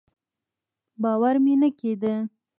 باور مې نه کېده.